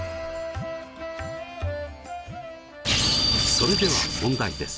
それでは問題です。